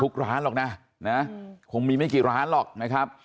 ร้านหรอกนะคงมีไม่กี่ร้านหรอกนะครับ